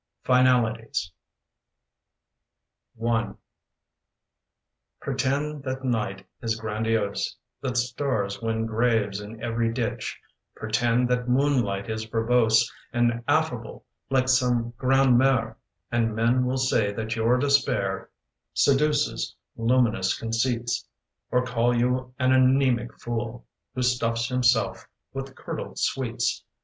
FINALITIES PRETEND that night is grandiose, That stars win graves in every ditch; Pretend that moon light is verbose And affable, like some grande m&re, And men will say that your despair Seduces luminous conceits, Or call you an anaemic fool Who stuffs himself with curdled sweets.